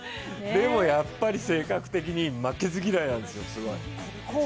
でもやっぱり性格的に負けず嫌いなんですよ、すごい。